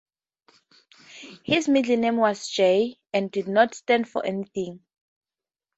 His middle name was "J" and did not stand for anything.